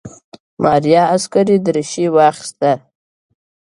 ماريا عسکري دريشي واخيسته.